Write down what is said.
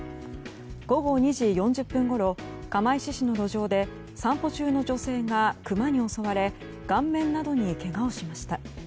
午後２時４０分ごろ釜石市の路上で散歩中の女性がクマに襲われ顔面などにけがをしました。